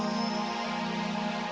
dia joust juga sekarang ni su gastro